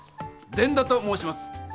善田と申します。